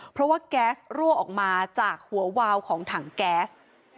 เพราะว่าแก๊สรั่วออกมาจากหัววาวของถังแก๊ส